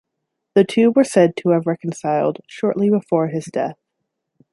The two were said to have reconciled shortly before his death.